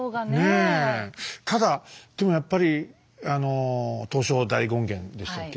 ただでもやっぱり「東照大権現」でしたっけ